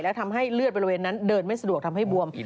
และทำให้เลือดบริเวณนั้นเดินไม่สะดวกทำให้บวม